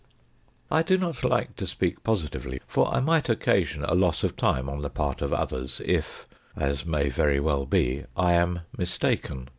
I do not like to speak positively, for I might occasion a loss of time on the part of others, if, as may very well 256 THE FOURTH DIMENSION be, I am mistaken.